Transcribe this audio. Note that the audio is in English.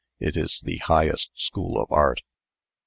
It is the highest school of Art."